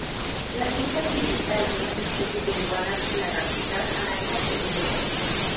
La lista se limita a algunas especies de iguanas y lagartijas, arañas e insectos.